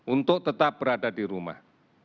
untuk tetap berada di rumah